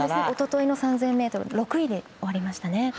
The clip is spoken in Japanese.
おとといの３０００ｍ６位に終わりましたね。